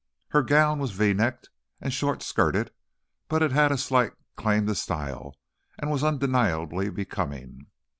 Her gown was V necked and short skirted, but it had a slight claim to style and was undeniably becoming.